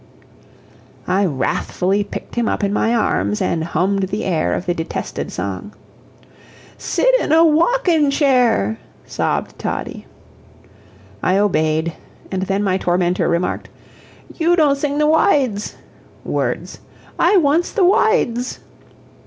I wrathfully picked him up in my arms, and hummed the air of the detested song. "Sit in a wockin' chair," sobbed Toddie. I obeyed; and then my tormentor remarked: "You don't sing the wydes (words), I wants the wydes."